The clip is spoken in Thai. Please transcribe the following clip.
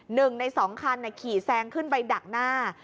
หนึ่งในสองคันขี่แซงขึ้นไปดักหน้า